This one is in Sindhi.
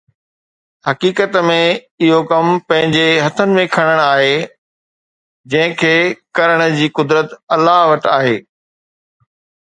حقيقت ۾ اهو ڪم پنهنجي هٿن ۾ کڻڻ آهي، جنهن کي ڪرڻ جي قدرت الله وٽ آهي